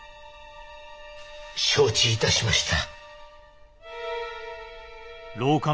承知いたしました。